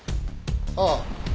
ああ。